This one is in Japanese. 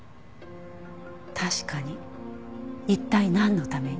確かに一体なんのために。